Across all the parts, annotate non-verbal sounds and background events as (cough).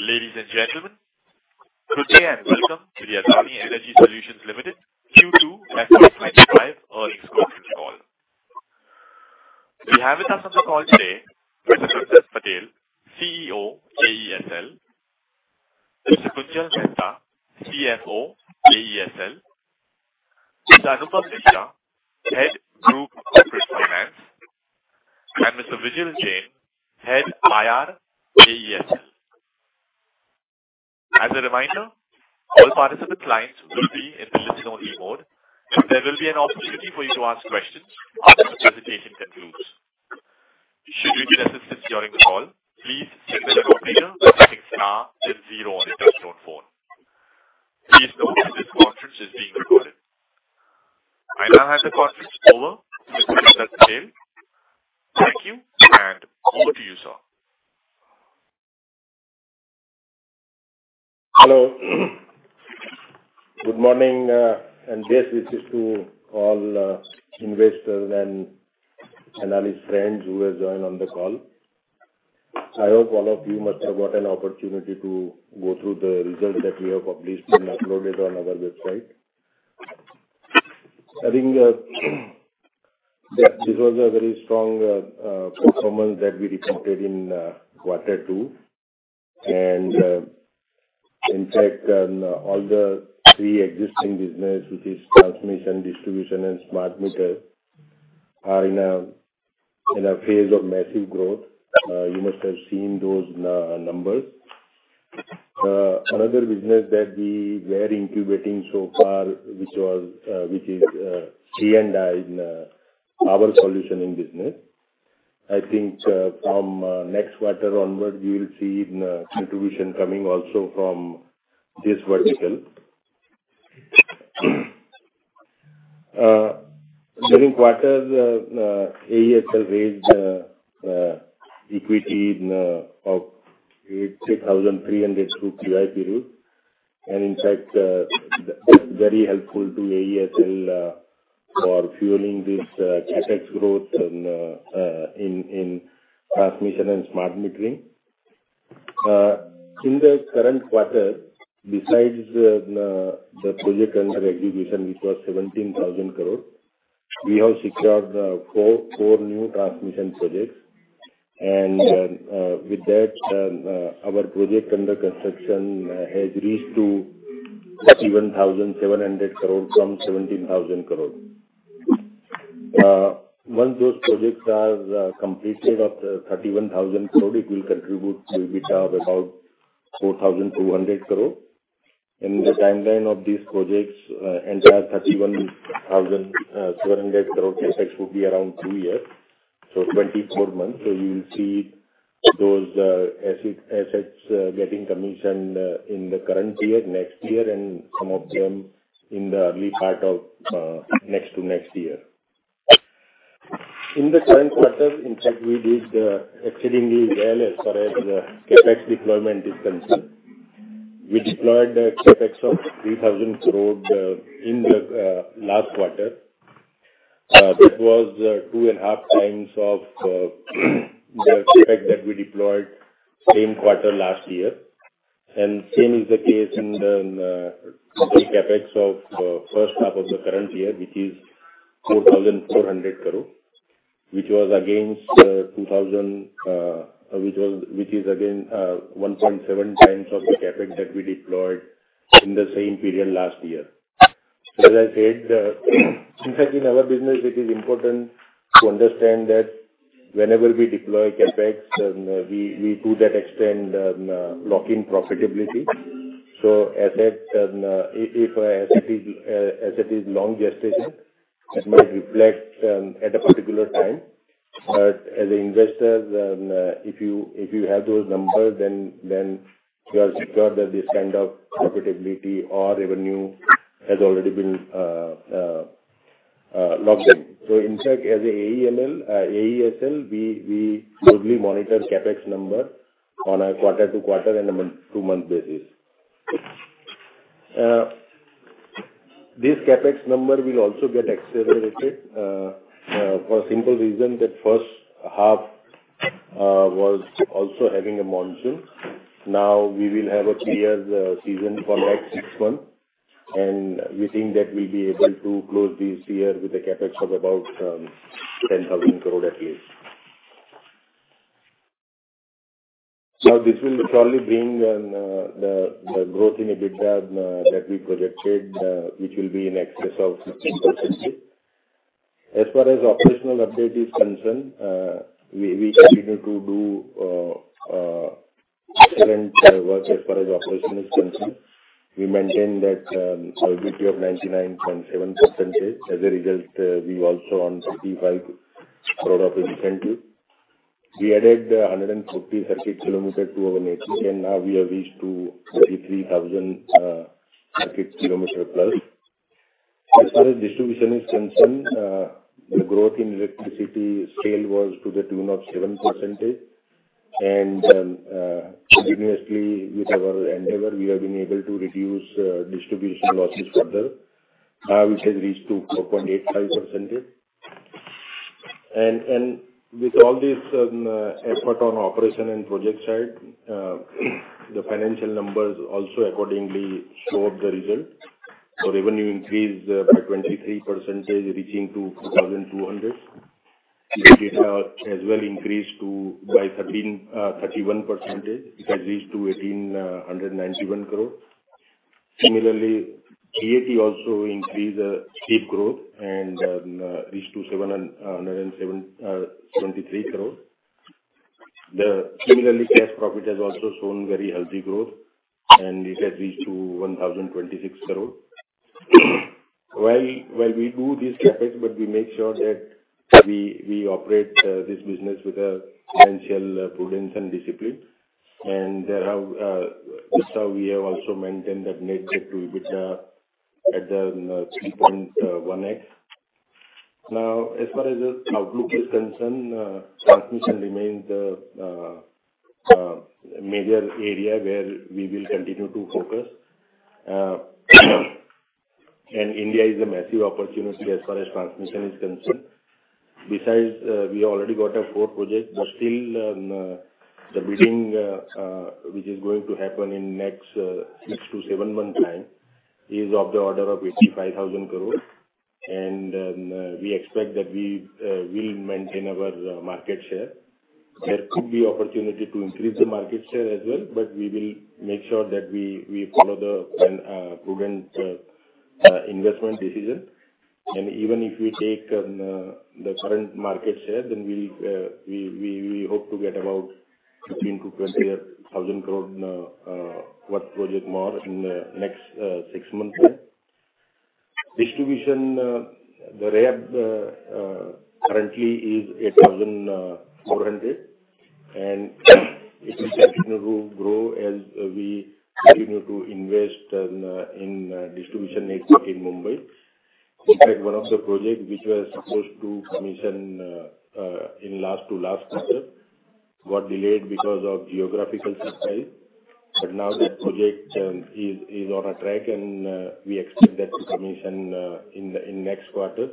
Ladies and gentlemen, good day and welcome to the Adani Energy Solutions Limited Q2 FY 2025 Earnings Conference Call. We have with us on the call today, Mr. Kandarp Patel, CEO, AESL, Mr. Kunjal Mehta, CFO, AESL, Mr. Anupam Misra, Head Group Corporate Finance, and Mr. Vijil Jain, Head IR, AESL. As a reminder, all participant lines will be in listen-only mode, and there will be an opportunity for you to ask questions after the presentation concludes. Should you need assistance during the call, please check the operator by pressing star then zero on your touchtone phone. Please note that this conference is being recorded. I now hand the conference over to Mr. Kandarp Patel. Thank you, and over to you, sir.. Hello. Good morning, and best wishes to all, investors and analyst friends who have joined on the call. I hope all of you must have got an opportunity to go through the results that we have published and uploaded on our website. I think, yeah, this was a very strong performance that we recorded in quarter two. And, in fact, all the three existing business, which is transmission, distribution, and smart meter, are in a phase of massive growth. You must have seen those numbers. Another business that we were incubating so far, which was, which is, C&I in power solutioning business. I think, from next quarter onward, we will see contribution coming also from this vertical. During quarter, AESL raised equity in of INR 8,300 crore through QIP route, and in fact, very helpful to AESL for fueling this CapEx growth and in transmission and smart metering. In the current quarter, besides the project under execution, which was 17,000 crore, we have secured four new transmission projects. Our project under construction has reached to 31,700 crore from 17,000 crore. Once those projects are completed of the 31,700 crore, it will contribute EBITDA of about 4,200 crore. The timeline of these projects, entire 31,700 crore CapEx, will be around two years, so 24 months. So you will see those assets getting commissioned in the current year, next year, and some of them in the early part of next to next year. In the current quarter, in fact, we did extremely well as far as the CapEx deployment is concerned. We deployed a CapEx of 3,000 crore in the last quarter. That was 2.5x of the CapEx that we deployed same quarter last year. And same is the case in the total CapEx of first half of the current year, which is 4,400 crore, which was against 2,000, which is against 1.7x of the CapEx that we deployed in the same period last year. As I said, in fact, in our business, it is important to understand that whenever we deploy CapEx, then we put at extent lock-in profitability. So as at, if asset is long gestation, it might reflect at a particular time. But as investors, if you have those numbers, then you are secure that this kind of profitability or revenue has already been locked in. So in fact, as a AEML, AESL, we only monitor CapEx number on a quarter to quarter and a month-to-month basis. This CapEx number will also get accelerated for a simple reason that first half was also having a monsoon. Now we will have a clear season for next six months, and we think that we'll be able to close this year with a CapEx of about 10,000 crore at least. Now this will probably bring the growth in EBITDA that we projected, which will be in excess of 15%. As far as operational update is concerned, we continue to do excellent work as far as operation is concerned. We maintained that availability of 99.7%. As a result, we also on 35%. We added 140 circuit kilometer to our network, and now we have reached to 33,000 circuit kilometer plus. As far as distribution is concerned, the growth in electricity scale was to the tune of 7%. Continuously with our endeavor, we have been able to reduce distribution losses further, which has reached 4.85%. With all this effort on operation and project side, the financial numbers also accordingly show up the result. Revenue increased by 23%, reaching 2,200 crore. EBITDA has well increased by 31%, it has reached 1,891 crore. Similarly, PAT also increased, steep growth and reached 727 crore. Similarly, cash profit has also shown very healthy growth, and it has reached 1,026 crore. While we do this CapEx, but we make sure that we operate this business with a financial prudence and discipline. We have also maintained that net debt to EBITDA at the 3.1x. Now, as far as the outlook is concerned, transmission remains the major area where we will continue to focus. India is a massive opportunity as far as transmission is concerned. Besides, we already got four projects, but still, the bidding which is going to happen in next six to seven months' time is of the order of 85,000 crore. We expect that we will maintain our market share. There could be opportunity to increase the market share as well, but we will make sure that we follow the prudent investment decision. And even if we take the current market share, then we hope to get about 15,000 - 20,000 crore what project more in the next six months time. Distribution, the RAB currently is 8,400, and it is going to grow as we continue to invest in distribution network in Mumbai. In fact, one of the project which was supposed to commission in last to last quarter got delayed because of geographical stockpile. But now that project is on track, and we expect that to commission in the next quarter.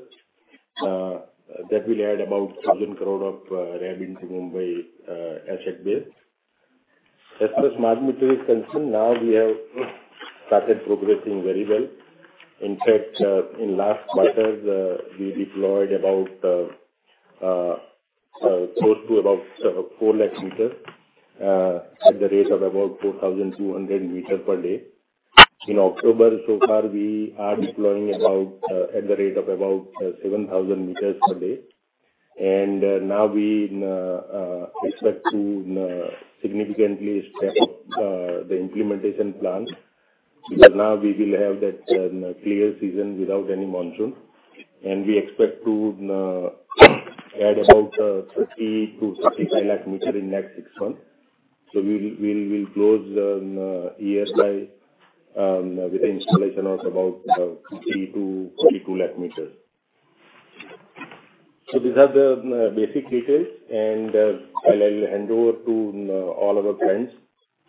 That will add about 1,000 crore of RAB into Mumbai asset base. As far as Smart Meter is concerned, now we have started progressing very well. In fact, in last quarter, we deployed about close to about 4 lakh meters at the rate of about 4,200 m per day. In October, so far, we are deploying about at the rate of about 7,000 m per day. Now we expect to significantly step up the implementation plans, because now we will have that clear season without any monsoon. We expect to add about 30-35 lakh meter in next six months. So we will, we will close year by with the installation of about 50-52 lakh meters. So these are the basic details, and I'll, I'll hand over to all other friends.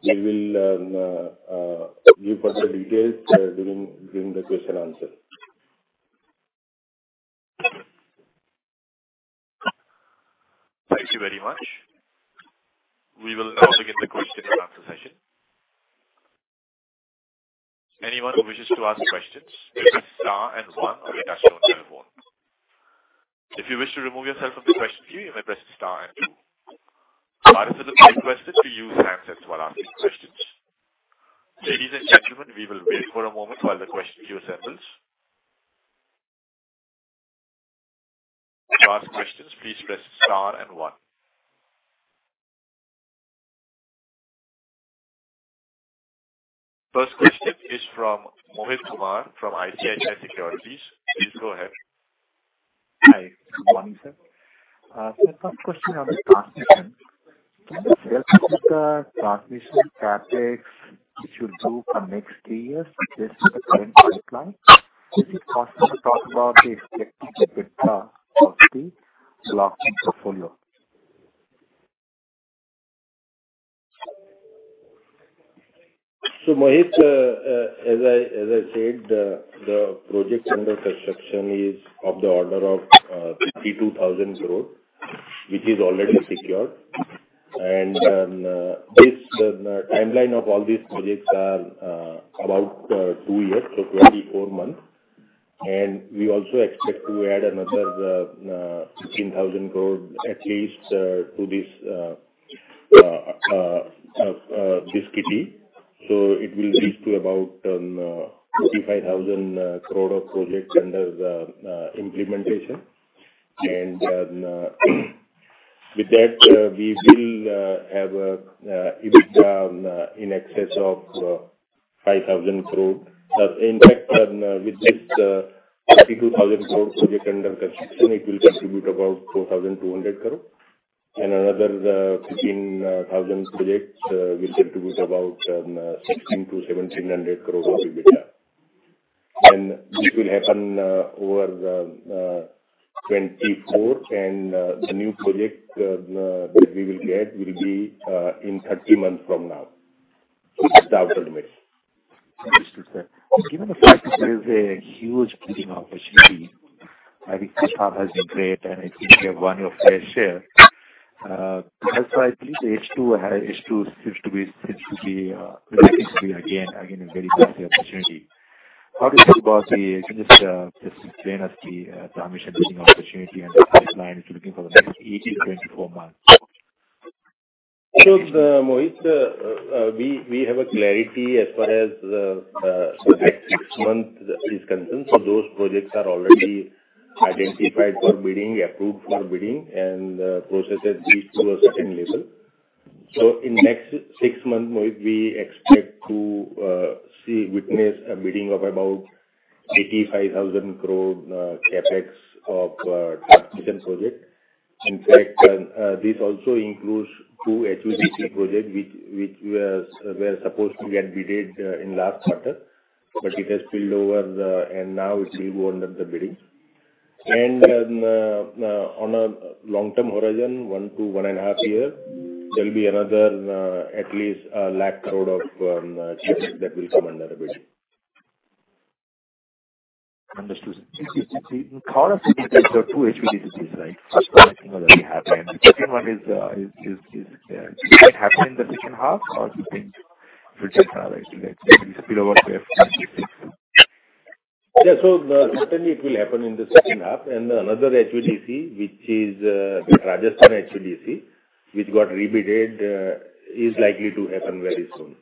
We will give further details during the question-and-answer. Thank you very much. We will now begin the question-and-answer session. Anyone who wishes to ask questions, you press star and one on your dashboard. If you wish to remove yourself from the question queue, you may press star and two. Prior to the question, we use handset while asking questions. Ladies and gentlemen, we will wait for a moment while the question queue assembles. To ask questions, please press star and one. First question is from Mohit Kumar, from ICICI Securities. Please go ahead. Hi, good morning, sir. So first question on the transmission. Can you help with the transmission CapEx, which you do for next three years based on the current pipeline? Could you possibly talk about the expected EBITDA of the locking portfolio? So, Mohit, as I said, the project under construction is of the order of 52,000 crore, which is already secured. And this timeline of all these projects are about two years, so 24 months. And we also expect to add another 15,000 crore, at least, to this kitty. So it will reach to about 55,000 crore of projects under the implementation. And with that, we will have a EBITDA in excess of 5,000 crore. In fact, with this 52,000 crore project under construction, it will contribute about 4,200 crore. And another 15,000 projects will contribute about 1,600-1,700 crore of EBITDA. This will happen over the 24, and the new project that we will get will be in 30 months from now, without the limits. .Understood, sir. Given the fact that there is a huge bidding opportunity, I think Qatar has been great, and I think you have won your fair share. That's why I believe H2 seems to be looking to be again a very busy opportunity. How do you feel about the can you just explain us the transmission bidding opportunity and the pipeline is looking for the next 18 to 24 months? Mohit, we have clarity as far as the next six months is concerned. Those projects are already identified for bidding, approved for bidding, and processes lead to a certain level. In next six months, Mohit, we expect to witness a bidding of about 85,000 crore CapEx of transmission project. In fact, this also includes two HVDC project, which were supposed to get bidded in last quarter, but it has spilled over the. Now it will go under the bidding. Then on a long-term horizon, one to one and a half year, there will be another at least a lakh crore of CapEx that will come under the bidding. Understood. So in Khavda, there are two HVDC, right? First one already happened, the second one is it happen in the second half, or do you think it will take another, like, maybe spill over to [2026]? Yeah. So, certainly it will happen in the second half. And another HVDC, which is the Rajasthan HVDC, which got re-bidded, is likely to happen very soon.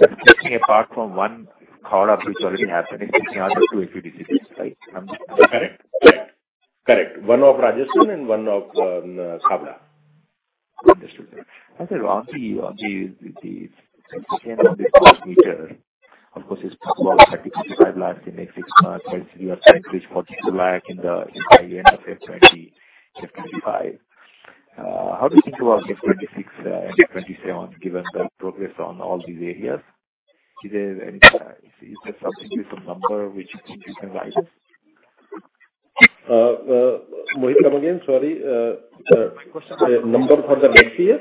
Just looking apart from one quarter, which already happened in the other two HVDC, right? Correct. Correct. Correct. One of Rajasthan and one of Sabla. Understood, and then on the second of this meter, of course, it's about 35 lakhs in next six months. We are trying to reach 42 lakh by the end of FY 2025. How do you think about FY 2026 and 2027, given the progress on all these areas? Is there something with a number which you can guide us? Mohit, come again, sorry. Number for the next year?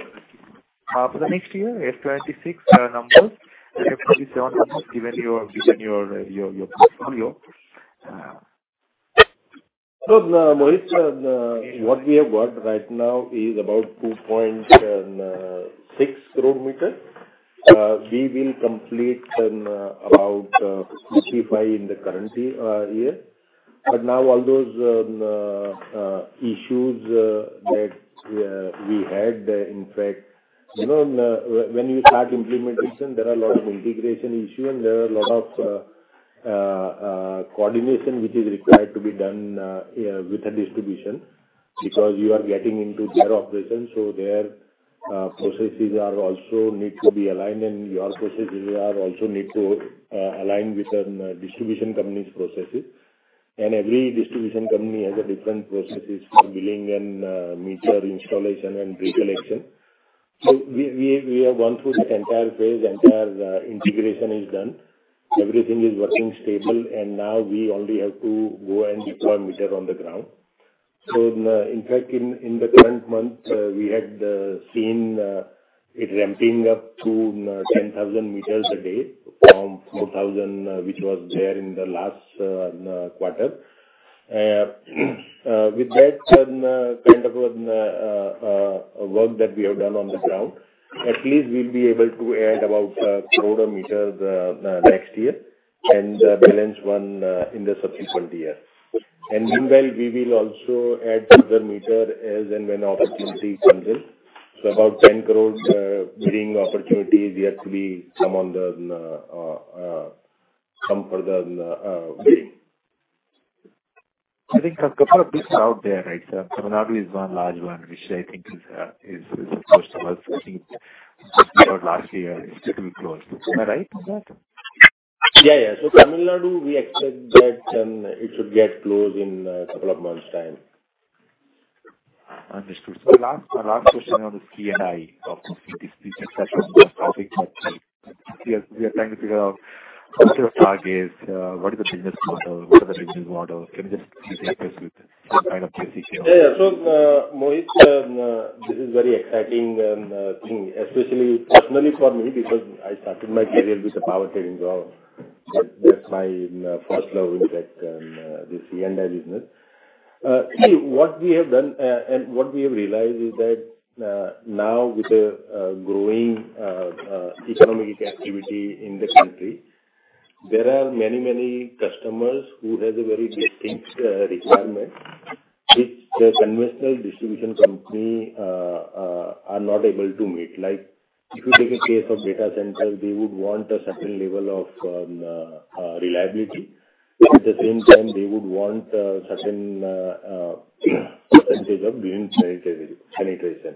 For the next year, FY 2026 numbers, and FY 2027, given your portfolio. So, Mohit, what we have got right now is about 2.6 crore meter. We will complete about 65 in the current year. But now all those issues that we had, in fact, you know, when you start implementation, there are a lot of integration issue and there are a lot of coordination which is required to be done with the distribution, because you are getting into their operations. So their processes are also need to be aligned, and your processes are also need to align with the distribution company's processes. And every distribution company has a different processes for billing and meter installation and bill collection. So we have gone through that entire phase, entire integration is done. Everything is working stable, and now we only have to go and deploy meters on the ground. So in fact, in the current month, we had seen it ramping up to 10,000 m a day from 4,000 m, which was there in the last quarter. With that kind of work that we have done on the ground, at least we'll be able to add about a crore meters in the next year and balance one in the subsequent year. And meanwhile, we will also add another meter as and when opportunity comes in. So about 10 crores bidding opportunities yet to come further in the way. I think a couple of bids are out there, right, sir? Tamil Nadu is one large one, which I think is supposed to have, I think, just about last year, it will close. Am I right with that? Yeah, yeah, so Tamil Nadu, we expect that, it should get closed in a couple of months' time. Understood. So last, the last question on the C&I of 50, 57. We are trying to figure out what your target is, what is the business model, what are the business model? Can you just please help us with some kind of basic here? Yeah, yeah. So, Mohit, this is very exciting thing, especially personally for me, because I started my career with the power trading role. That's, that's my first love with that, this C&I business. See, what we have done, and what we have realized is that, now with the growing economic activity in the country, there are many, many customers who has a very distinct requirement, which the conventional distribution company are not able to meet. Like, if you take a case of data center, they would want a certain level of reliability. At the same time, they would want certain percentage of green penetration.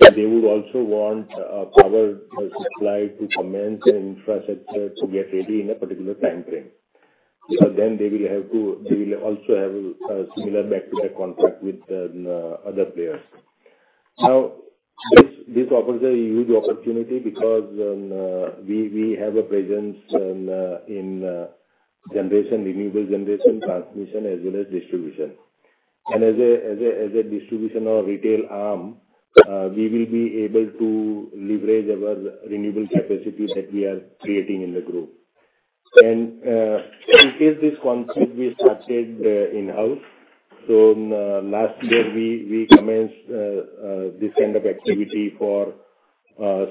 They would also want power supply to commence infrastructure to get ready in a particular time frame, because then they will have to. They will also have a similar back-to-back contract with the other players. Now, this offers a huge opportunity because we have a presence in generation, renewable generation, transmission, as well as distribution, and as a distribution or retail arm, we will be able to leverage our renewable capacity that we are creating in the group. And in this context we started in-house, so last year we commenced this kind of activity for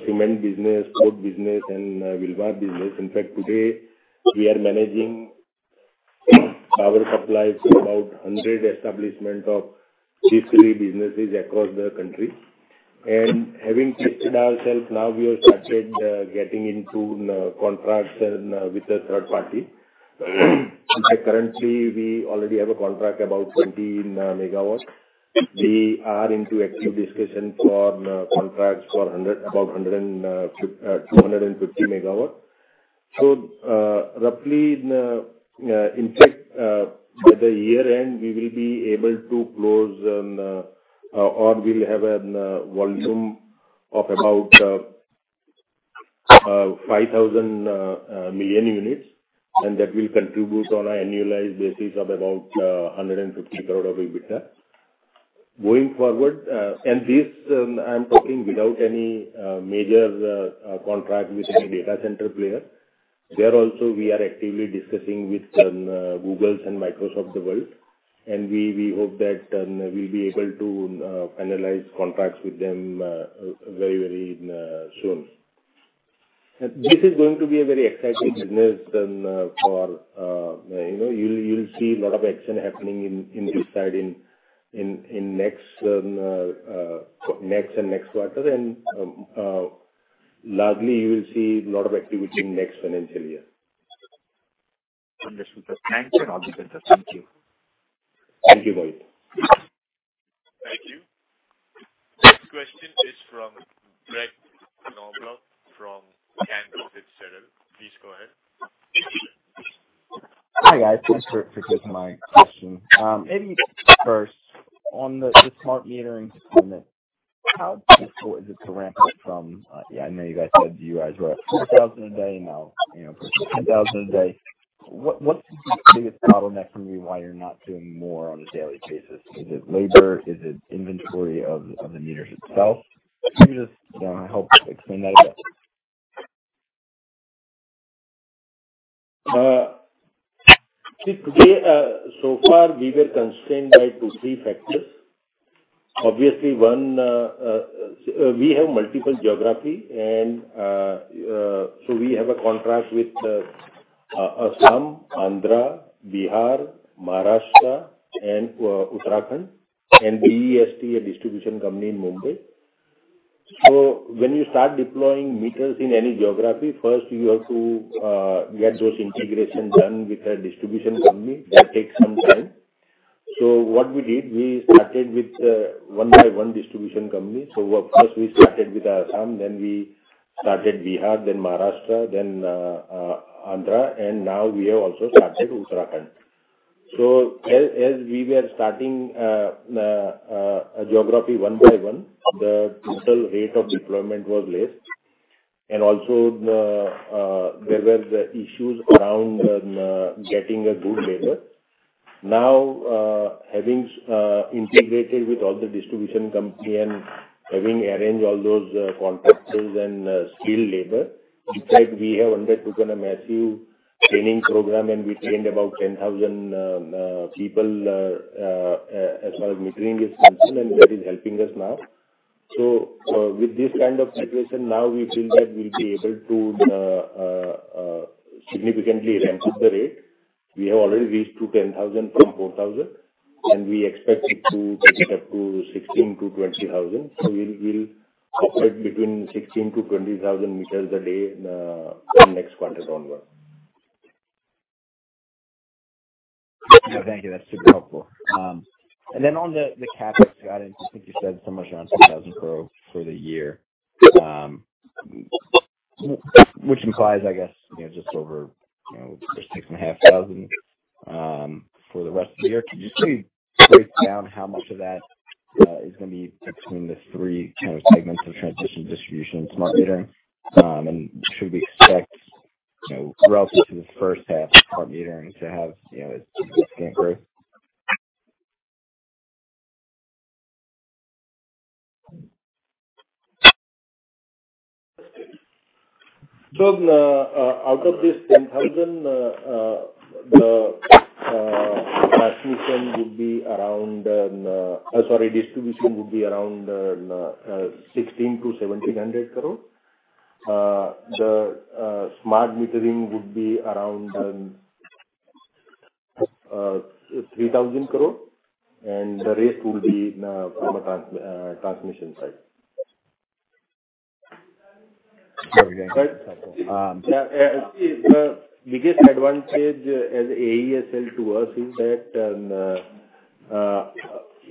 cement business, port business, and Wilmar business. In fact, today we are managing power supply to about 100 establishments of these three businesses across the country. And having tested ourselves, now we have started getting into contracts and with a third party. In fact, currently, we already have a contract about 20 MW. We are into active discussion for contracts for about 100 and 250 MW. So, roughly, in fact, by the year end, we will be able to close or we'll have a volume of about 5,000 million units, and that will contribute on an annualized basis of about 150 crore of EBITDA. Going forward, and this, I'm talking without any major contract with any data center player. There also, we are actively discussing with Google and Microsoft of the world, and we hope that we'll be able to finalize contracts with them very, very soon. This is going to be a very exciting business for you know, you'll see a lot of action happening in this side, in next quarter. And largely you will see a lot of activity in next financial year. Understood, sir. Thanks, and all the best. Thank you. Thank you very much. Thank you. Next question is from [Beck Logro from Ted Betseller]. Please go ahead. Hi, guys. Thanks for taking my question. Maybe first, on the smart metering deployment, how difficult is it to ramp up from, I know you guys said you guys were at 4,000 a day, now, you know, 10,000 a day. What's the biggest bottleneck for you, why you're not doing more on a daily basis? Is it labor? Is it inventory of the meters itself? Can you just help explain that? See today, so far, we were constrained by two, three factors. Obviously, one, we have multiple geography and, so we have a contract with, Assam, Andhra, Bihar, Maharashtra, and, Uttarakhand, and BEST, a distribution company in Mumbai. So when you start deploying meters in any geography, first you have to, get those integration done with a distribution company. That takes some time. So what we did, we started with, one by one distribution company. First we started with Assam, then we started Bihar, then Maharashtra, then, Andhra, and now we have also started Uttarakhand. So as, as we were starting, geography one by by one, the total rate of deployment was less. And also, there were the issues around, getting a good labor. Now, having integrated with all the distribution company and having arranged all those contracts and skilled labor, in fact, we have undertaken a massive training program and we trained about 10,000 people as far as metering is concerned, and that is helping us now. With this kind of situation, now we feel that we'll be able to significantly ramp up the rate. We have already reached to 10,000 from 4,000, and we expect to take it up to 16,000 to 20,000. We'll operate between 16,000 to 20,000 meters a day from next quarter onward. Thank you. That's super helpful, and then on the CapEx guidance, I think you said somewhere around two thousand crore for the year, which implies, I guess, you know, just over, you know, six and a half thousand for the rest of the year. Can you just maybe break down how much of that is gonna be between the three kind of segments of transmission, distribution, smart metering? And should we expect, you know, relative to the first half of smart metering to have, you know, its significant growth? Out of this 10,000 crore, the transmission would be around. Sorry, distribution would be around 1,600-1,700 crore. The smart metering would be around INR 3,000 crore, and the rest will be from a transmission side. (audio distortion) The biggest advantage of AESL to us is that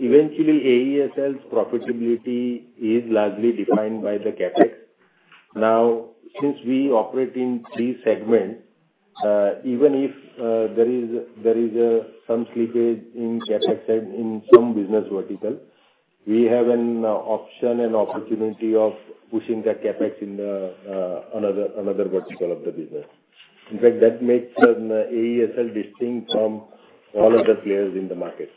eventually AESL's profitability is largely defined by the CapEx. Now, since we operate in three segments, even if there is some slippage in CapEx and in some business vertical. We have an option and opportunity of pushing the CapEx in another vertical of the business. In fact, that makes AESL distinct from all of the players in the market.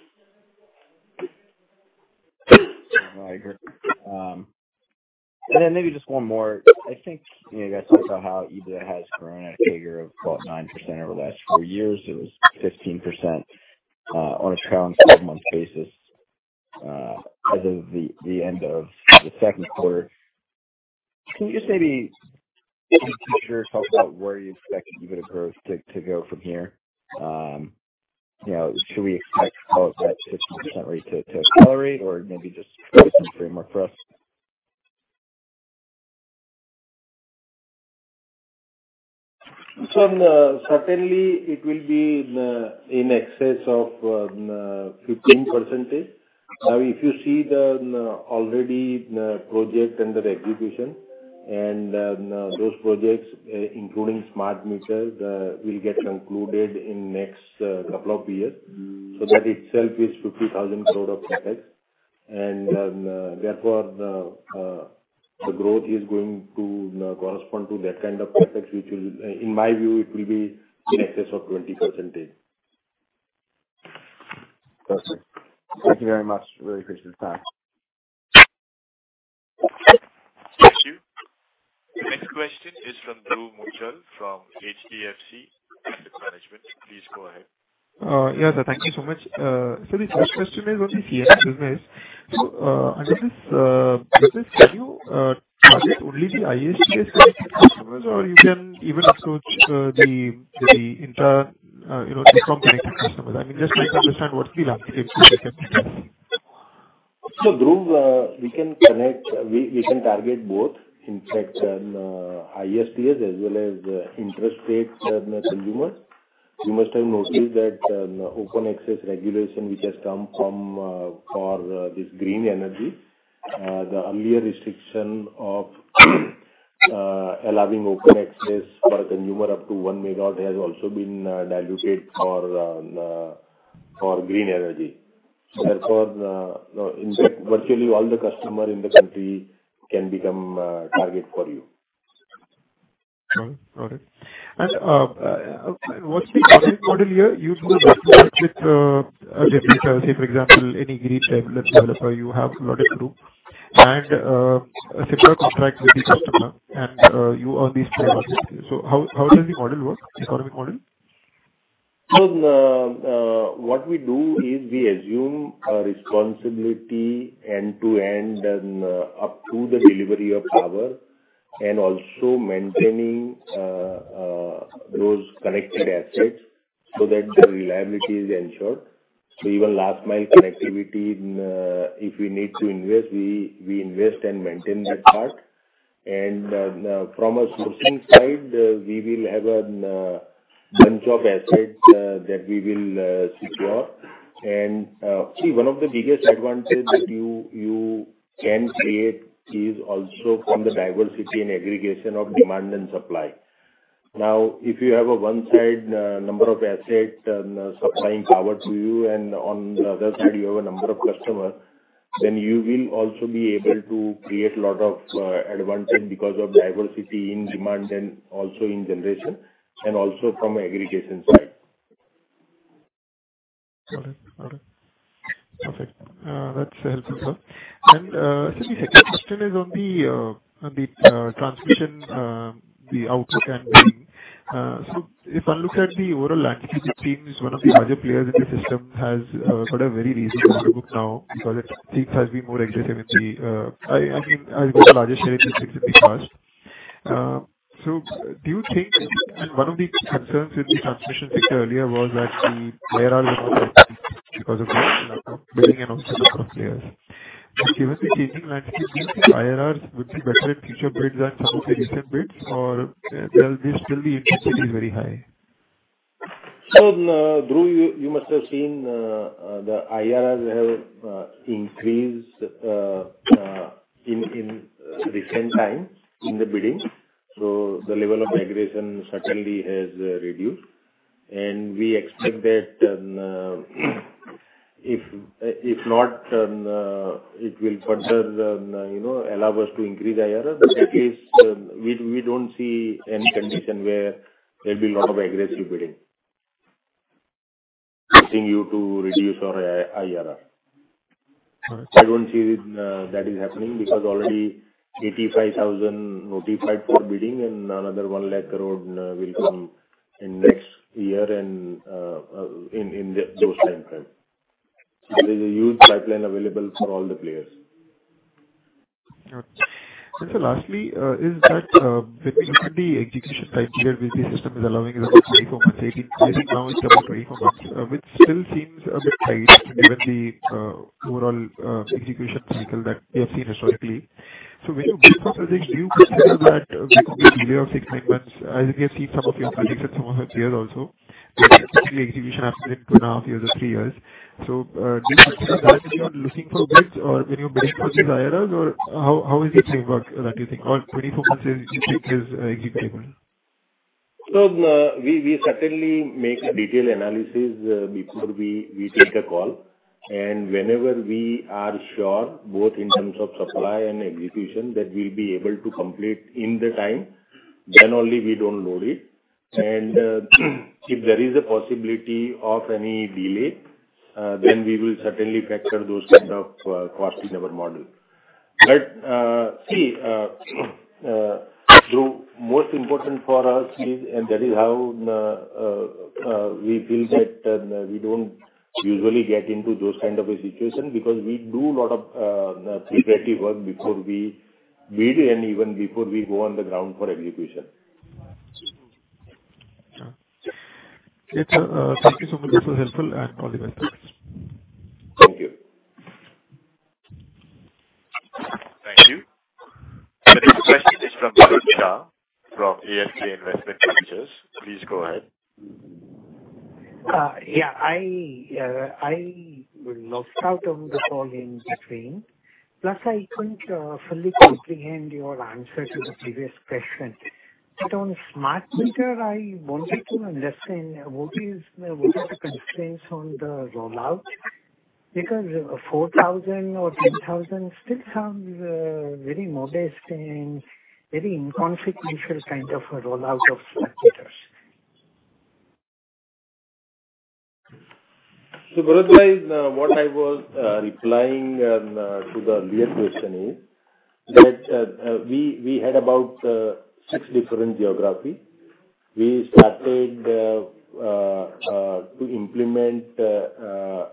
I agree, and then maybe just one more. I think, you know, you guys talked about how EBITDA has grown at a CAGR of about 9% over the last four years. It was 15%, on a trailing twelve-month basis, as of the end of the second quarter. Can you just maybe, can you just talk about where you expect EBITDA growth to go from here? You know, should we expect about that 15% rate to accelerate, or maybe just create some framework for us? Certainly it will be in excess of 15%. Now, if you see the already the project under execution and those projects including smart meters will get concluded in next couple of years. That itself is 50,000 crore of CapEx. And therefore the growth is going to correspond to that kind of CapEx, which will. In my view, it will be in excess of 20%. Perfect. Thank you very much. Really appreciate the time. Thank you. The next question is from Dhruv Munjal from HDFC Asset Management. Please go ahead. Yeah, thank you so much. The first question is on the C&I business. I guess, can you target only the ISTS connected customers, or you can even approach the intra-connected customers? I mean, just try to understand what's the landscape you can. So, Dhruv, we can connect. We can target both. In fact, ISTS as well as intrastate consumers. You must have noticed that open access regulation, which has come from for this green energy. The earlier restriction of allowing open access for consumer up to one megawatt has also been diluted for green energy. Therefore, in fact, virtually all the customer in the country can become target for you. All right, got it and what's the tariff model here? Say, for example, any grid developer, do you have project group and a separate contract with the customer, and you have these three models. So how does the model work, the economic model? What we do is we assume a responsibility end-to-end and up to the delivery of power, and also maintaining those connected assets so that the reliability is ensured. Even last mile connectivity, if we need to invest, we invest and maintain that part. From a sourcing side, we will have a bunch of assets that we will secure. See, one of the biggest advantage that you can create is also from the diversity and aggregation of demand and supply. Now, if you have on one side, number of assets, supplying power to you, and on the other side, you have a number of customers, then you will also be able to create a lot of advantage because of diversity in demand and also in generation, and also from aggregation side. Got it. Got it. Perfect. That's helpful, sir. And, so the second question is on the, on the, transmission, the output and bidding. So if one looks at the overall landscape, it seems one of the larger players in the system has got a very reasonable book now, because it seems has been more aggressive in the... I mean, has the largest share in the past. So do you think, and one of the concerns with the transmission sector earlier was that the IRR, because of bidding and also the players. Given the changing landscape, do you think IRRs would be better at future bids than some recent bids, or, they'll still, the interest will be very high? So, Dhruv, you must have seen the IRRs have increased in recent times in the bidding. The level of aggression certainly has reduced. We expect that and if not, it will further you know allow us to increase IRRs, but at least we don't see any condition where there'll be a lot of aggressive bidding, forcing you to reduce your IRR. Got it. I don't see it that is happening, because already 85,000 notified for bidding and another one lakh more will come in next year and in that timeframe. There is a huge pipeline available for all the players. Got it. And so lastly, is that with the execution timeline, where the system is allowing around 24 months, 18, I think now it's about 24 months, which still seems a bit tight given the overall execution cycle that we have seen historically. So when you build capacity, do you consider that complete period of 6, 9 months? As we have seen some of your projects and some of our peers also, typically execution after 2.5 years or 3 years. So, do you consider that when you are looking for bids or when you build for these IRRs, or how is the framework that you think, or 24 months is, you think is executable?... So, we certainly make a detailed analysis before we take a call, and whenever we are sure, both in terms of supply and execution, that we'll be able to complete in the time, then only we don't load it, and if there is a possibility of any delay, then we will certainly factor those kind of costs in our model, but see, so most important for us is, and that is how we feel that we don't usually get into those kind of a situation, because we do lot of preparatory work before we bid, and even before we go on the ground for execution. Yeah. It's, thank you so much for helpful and all the best. Thank you. Thank you. The next question is from Bharat Shah, from ASK Investment Managers. Please go ahead. Yeah, I was lost out on the call in between, plus I couldn't fully comprehend your answer to the previous question. But on smart meter, I wanted to understand what is, what are the constraints on the rollout? Because four thousand or ten thousand still sounds very modest and very inconsequential kind of a rollout of smart meters. So Bharat Shah, what I was replying to the earlier question is, that we had about six different geography. We started to implement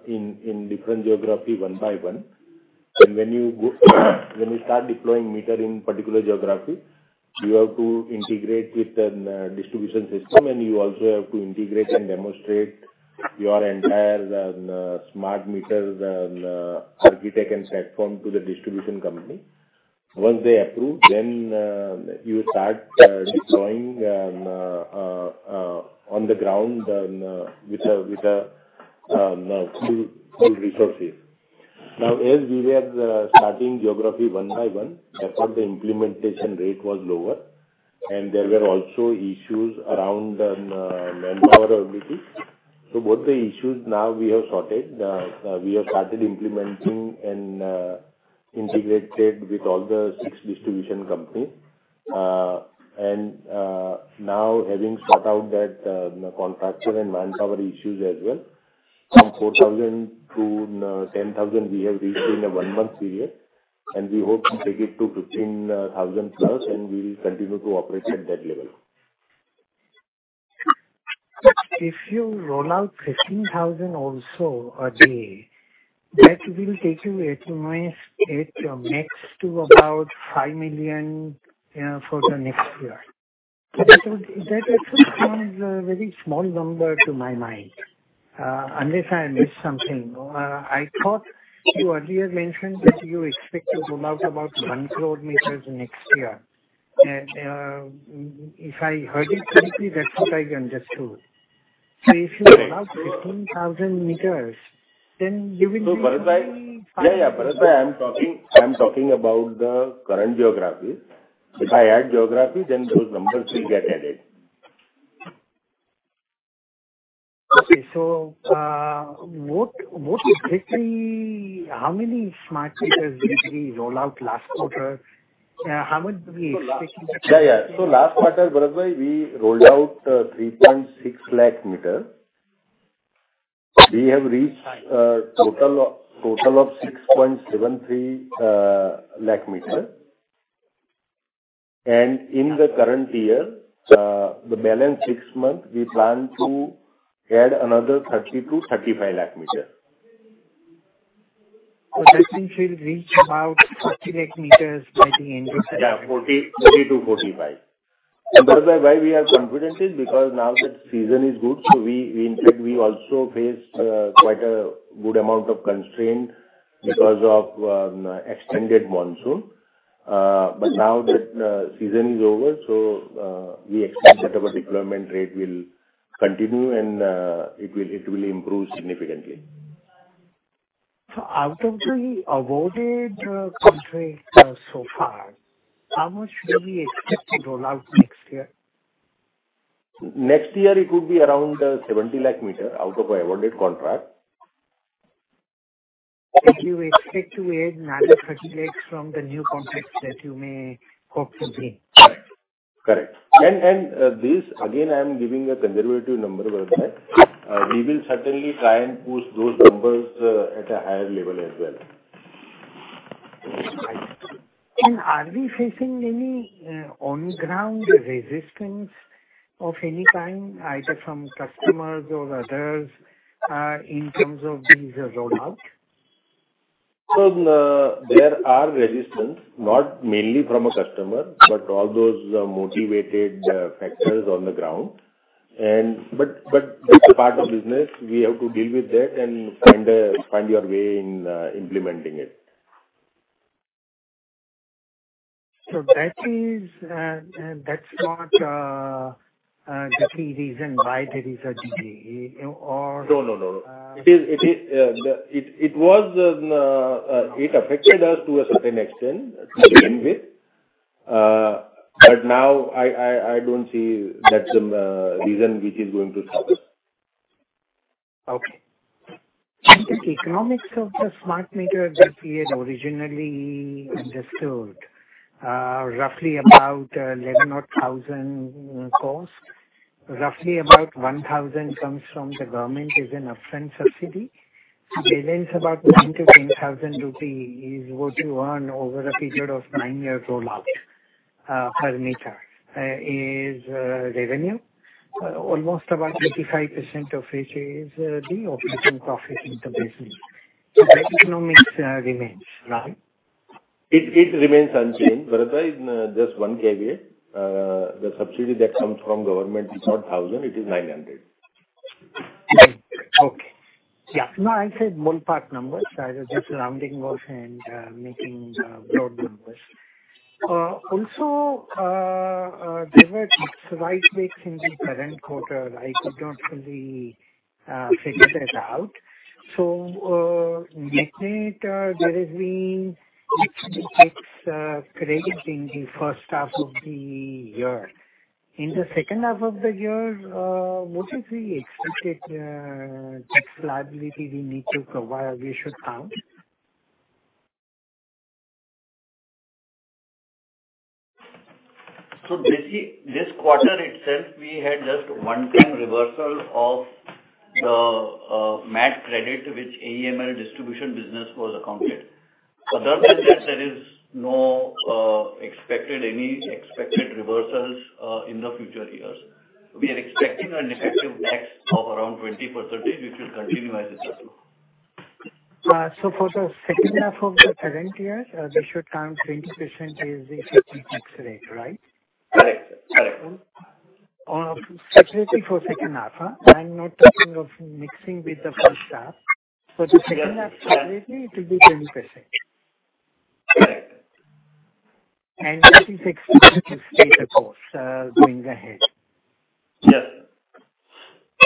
in different geography, one by one. And when you go, when you start deploying meter in particular geography, you have to integrate with the distribution system, and you also have to integrate and demonstrate your entire smart meters, and architect, and platform to the distribution company. Once they approve, then you start deploying on the ground, and with a full resources. Now, as we were starting geography one by one, therefore the implementation rate was lower, and there were also issues around manpower availability. So both the issues now we have sorted. We have started implementing and integrated with all the six distribution companies. Now, having sorted out the contractor and manpower issues as well, from 4,000 to 10,000, we have reached in a one-month period, and we hope to take it to 15,000 plus, and we will continue to operate at that level. If you roll out 15,000 also a day, that will take you at the most, at a max, to about 5 million for the next year. So that actually sounds a very small number to my mind, unless I missed something. I thought you earlier mentioned that you expect to roll out about one crore meters next year. If I heard it correctly, that's what I understood. Correct. If you roll out 15,000 meters, then you will do only five- Bharat Shah. Yeah, yeah, Bharat Shah, I'm talking, I'm talking about the current geography. If I add geography, then those numbers will get added. Okay. So, what exactly... How many smart meters did we roll out last quarter? How much do we expect- Yeah, yeah. So last quarter, Bharat Shah, we rolled out 3.6 lakh meter. We have reached total of 6.73 lakh meter. And in the current year, the balance six month, we plan to add another 30 - 35 lakh meter. That one should reach about 30 lakh meters by the end of the year. Yeah, 30 to 45. And Bharat Shah, why we are confident is because now that season is good, so we in fact also faced quite a good amount of constraint because of extended monsoon. But now that the season is over, so we expect that our deployment rate will continue and it will improve significantly. Out of the awarded contract so far, how much do we expect to roll out next year? Next year, it could be around 70 lakh meter out of our awarded contract. Do you expect to add another 30 lakhs from the new contracts that you may hopefully win? Correct. And this again, I'm giving a conservative number, Bharat Shah. We will certainly try and push those numbers at a higher level as well. And are we facing any on-ground resistance of any kind, either from customers or others, in terms of this rollout? So, there are resistance, not mainly from a customer, but all those motivated factors on the ground. But that's a part of business. We have to deal with that and find your way in implementing it. So that's not the key reason why there is a delay, or- No, no, no. It is the it was. Okay. It affected us to a certain extent, to begin with, but now I don't see that reason which is going to stop us.... Okay. The economics of the smart meter that we had originally understood, roughly about 11,000 cost, roughly about 1,000 comes from the government as an upfront subsidy. The balance about 9,000-10,000 rupees is what you earn over a period of nine years rollout, per meter, is revenue. Almost about 85% of which is the operating profit in the business. So the economics, right? It remains unchanged, Bharat. Just one caveat, the subsidy that comes from government is not thousand, it is 900. Okay. Yeah, no, I said ballpark numbers. I was just rounding off and, making, broad numbers. Also, there were slight breaks in the current quarter. I could not fully, figure that out. So, net-net, there has been its, credit in the first half of the year. In the second half of the year, what is the expected, tax liability we need to provide, we should count? Basically, this quarter itself, we had just one-time reversal of the MAT credit, which AEML distribution business was accounted. Other than that, there is no any expected reversals in the future years. We are expecting an effective tax of around 20%, which will continue as before. So for the second half of the current year, we should count 20% as the effective tax rate, right? Correct. Correct. Separately for second half, I'm not talking of mixing with the first half. Yes. For the second half separately, it will be 20%. Correct. And this is expected to stay the course, going ahead. Yes.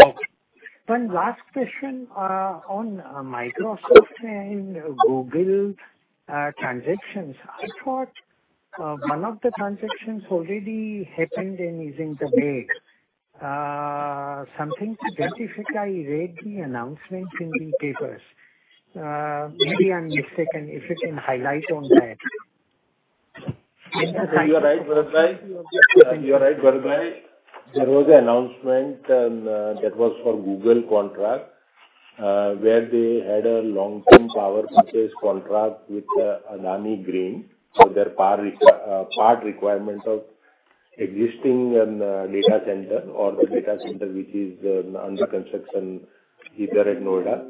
Okay. One last question on Microsoft and Google transactions. I thought one of the transactions already happened and is in the bag. Something to that effect, I read the announcements in the papers. Maybe I'm mistaken, if you can highlight on that. You are right, Bharat. You are right, Bharat. There was an announcement that was for Google contract, where they had a long-term power purchase contract with Adani Green for their power part requirements of existing data center or the data center, which is under construction either at Noida.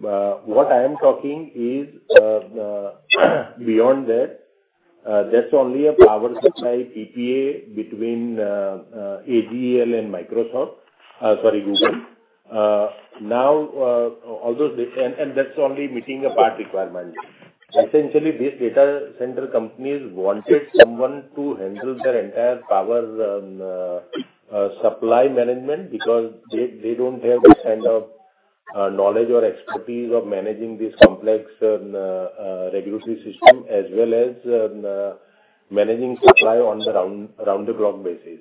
What I am talking is beyond that, that's only a power supply PPA between AGEL and Microsoft, sorry, Google. Now, and that's only meeting a part requirement. Essentially, these data center companies wanted someone to handle their entire power supply management, because they, they don't have the kind of knowledge or expertise of managing this complex regulatory system, as well as managing supply on the round, around-the-clock basis.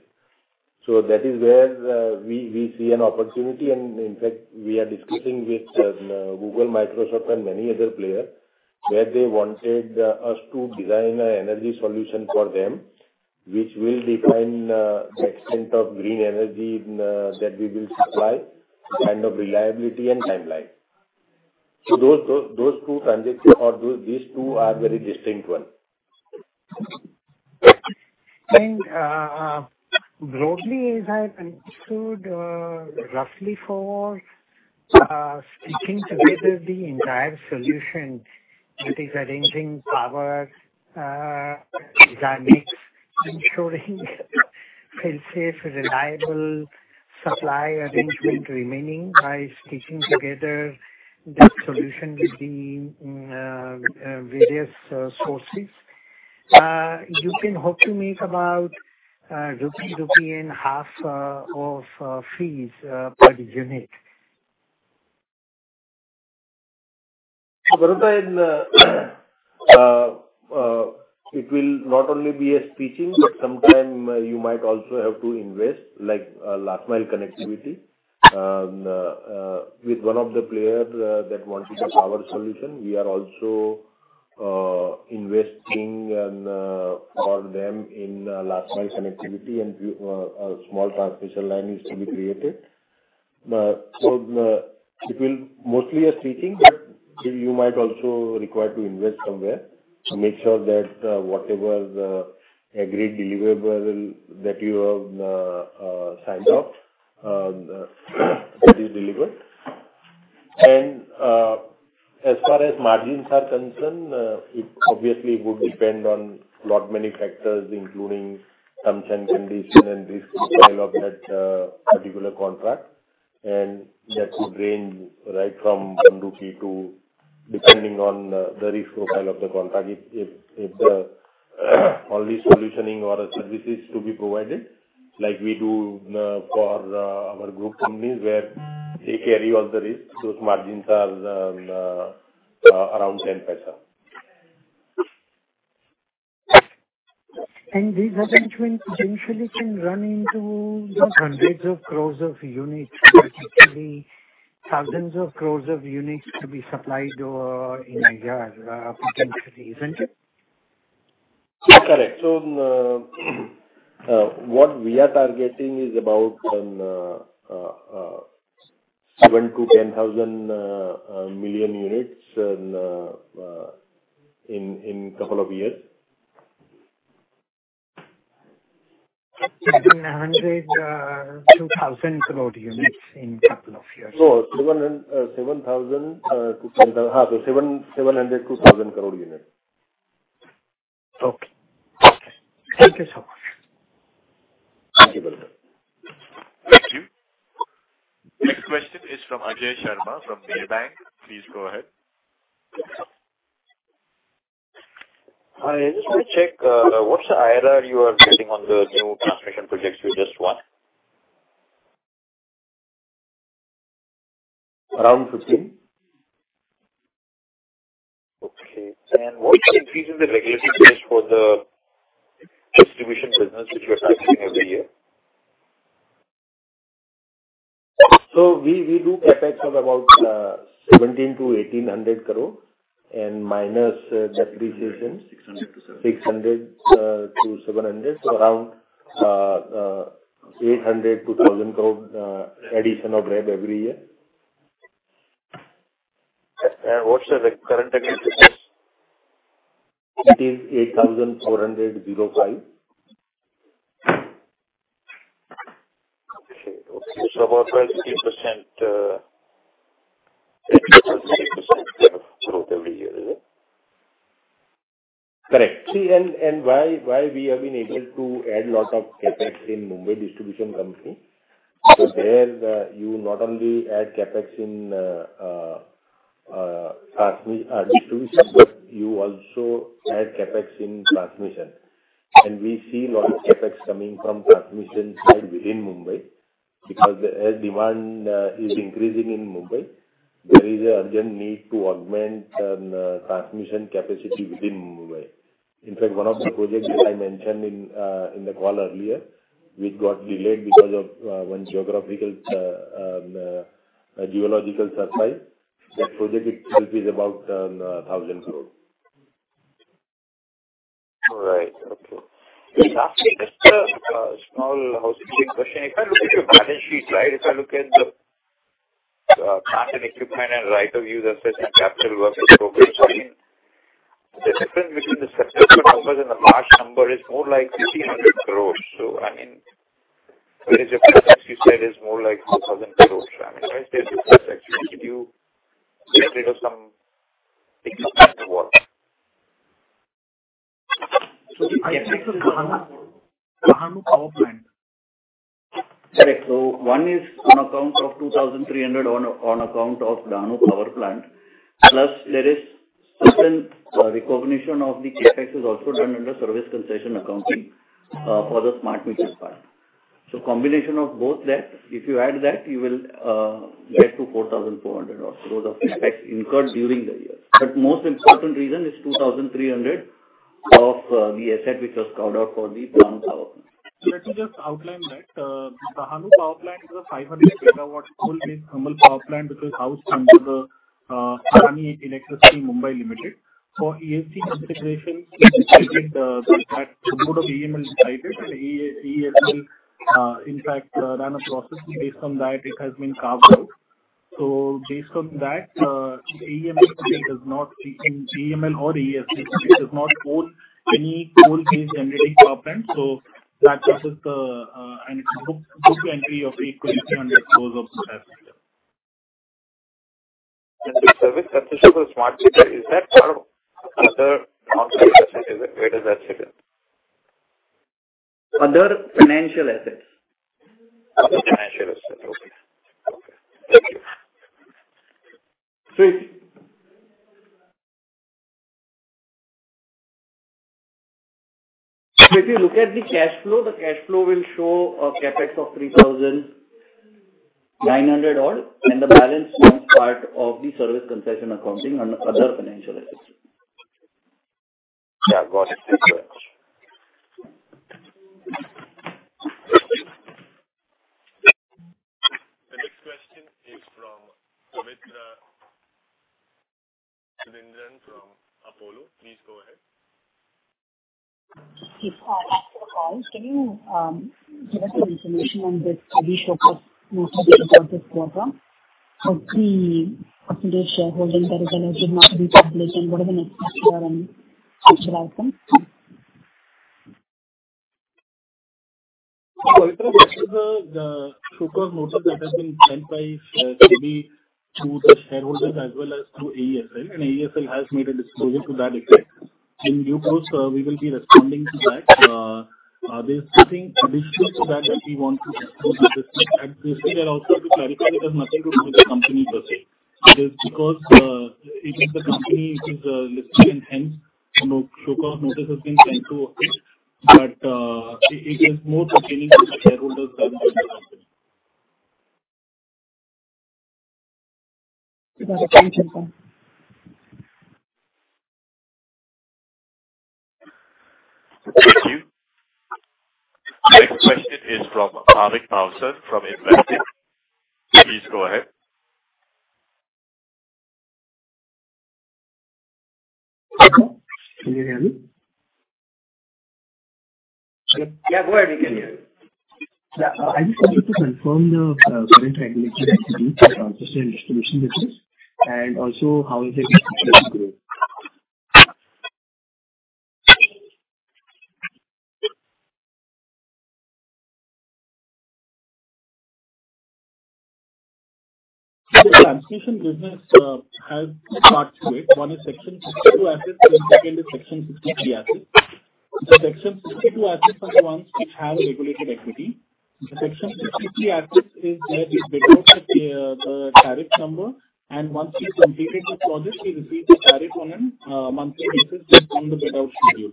So that is where we see an opportunity, and in fact, we are discussing with Google, Microsoft, and many other players, where they wanted us to design an energy solution for them, which will define the extent of green energy that we will supply, kind of reliability and timeline. So those two transactions or these two are very distinct one. Broadly, as I understood, roughly for sticking together the entire solution, that is arranging power that makes ensuring safe, reliable supply arrangement remaining by sticking together that solution with the various sources. You can hope to make about INR 1.5 of fees per unit. Bharat, it will not only be a stitching, but sometimes you might also have to invest, like, last mile connectivity. And with one of the players that wanted a power solution, we are also investing and for them in last mile connectivity and we view a small transmission line is to be created. So, it will mostly a stitching, but you might also require to invest somewhere to make sure that whatever agreed deliverable that you have signed off that is delivered. And as far as margins are concerned, it obviously would depend on lot many factors, including terms and condition and risk style of that particular contract. And that would range right from INR 1 to depending on the risk profile of the contract. If the only solutioning or services to be provided, like we do for our group companies, where they carry all the risk, those margins are around 0.10.... And these arrangements potentially can run into hundreds of crores of units, particularly thousands of crores of units to be supplied, in a year, potentially, isn't it? Yeah, correct. So, what we are targeting is about 7,000 million-10,000 million units in a couple of years. 700-1,000 crore units in couple of years. No, so 700-1,000 crore units. Okay. Thank you so much. Thank you, brother. Thank you. Next question is from Ajay Sharma, from Maybank. Please go ahead. Hi, I just want to check, what's the IRR you are getting on the new transmission projects you just won? Around 15. Okay. And what's increasing the regulatory risk for the distribution business that you are targeting every year? We do CapEx of about 1,700 crore-1,800 crore and minus depreciation- 600-700. 600-700. So around 800-1,000 crore addition of RAB every year. What's the recurrent regulation? It is 8,405.. Okay. So about 23%, so every year, is it? Correct. See, and why we have been able to add lot of CapEx in Mumbai Distribution Company, so there, you not only add CapEx in distribution, but you also add CapEx in transmission. And we see lot of CapEx coming from transmission side within Mumbai, because as demand is increasing in Mumbai, there is an urgent need to augment transmission capacity within Mumbai. In fact, one of the projects that I mentioned in the call earlier, which got delayed because of one geological surprise, that project itself is about thousand crore. All right. Okay. Just a small housekeeping question. If I look at your [balance]sheet, right, if I look at the plant and equipment and right of use assets and capital work in progress, I mean, the difference between the standalone numbers and the consolidated number is more like 300 crores. So, I mean, where is your CapEx? You said is more like 2,000 crores. I mean, where is the difference actually? Did you get rid of some equipment or what? The CapEx of Mahanagar, Dahanu Power Plant. Correct. One is on account of 2,300 on account of Dahanu Power Plant. Plus there is certain recognition of the CapEx is also done under service concession accounting for the smart meter part. So combination of both that, if you add that, you will get to 4,400 or so of CapEx incurred during the year. But most important reason is 2,300 of the asset, which was carved out for the Mahanagar Power. So let me just outline that, Dahanu Power Plant is a 500 MW coal-based thermal power plant, which is housed under the Adani Electricity Mumbai Limited. For AES configuration, that the Board of AEML decided, AEML-AES, in fact run a process and based on that, it has been carved out. So based on that, AEML does not, in AEML or AES, it does not own any coal-based generating power plant. So that this is the, and it's a book e-6ntry of INR 8,300 crores of assets. The service concession for smart meter, is that for other non-exclusive, where does that sit in? Other financial assets. Other financial assets. Okay. Okay. Thank you. If you look at the cash flow, the cash flow will show a CapEx of 3,900 odd, and the balance one part of the service concession accounting under other financial assets. Yeah, got it. Thank you very much. The next question is from Pavithra Sundaram from Apollo. Please go ahead. Yes. Thanks for the call. Can you give us some information on this HVDC with most of the projects program? How the update on the shareholding that is allowed to not be published, and what are the next steps and expected outcome? So this is the show cause notice that has been sent by SEBI to the shareholders as well as to AESL, and AESL has made a disclosure to that effect. In due course we will be responding to that. There's something additional to that, that we want to disclose at this point, and also to clarify, it has nothing to do with the company per se. It is because it is the company which is listed, and hence no show cause notice has been sent to it. But it is more pertaining to the shareholders than the (crosstalk) ... Thank you. Next question is from Marc Maurer from Investment. Please go ahead. Can you hear me? Yeah, go ahead. We can hear you. Yeah, I just wanted to confirm the current regulatory activity for transmission and distribution business, and also how is it expected to grow? The transmission business has two parts to it. One is Section 62 assets, and the second is Section 63 assets. The Section 62 assets are the ones which have regulated equity. The Section 63 assets is where we break out the tariff number, and once we complete this project, we receive the tariff on a monthly basis based on the breakout schedule.